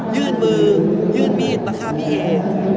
ยื่นมือยื่นมีดมาฆ่าพี่เอ